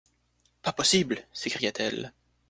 Pas possible ! s'écria-t-elle.